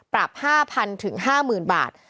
ปรับ๕๐๐๐ถึง๕หมื่นบาท